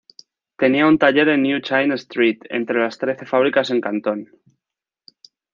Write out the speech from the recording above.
Tenía un taller en "New China Street" entre las Trece Fábricas en Cantón.